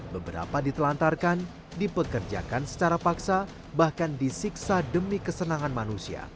beberapa ditelantarkan dipekerjakan secara paksa bahkan disiksa demi kesenangan manusia